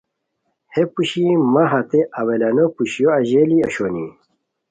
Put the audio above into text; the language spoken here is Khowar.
ہے پوشی مہ ہتے اولانو پوشیو اژیلی اوشونی